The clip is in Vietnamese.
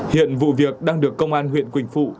hiện vụ việc đang được công an huyện quỳnh phụ